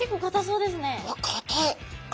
うわっかたい。